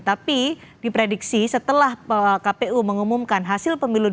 tapi diprediksi setelah kpu mengumumkan hasil pemilu dua ribu sembilan belas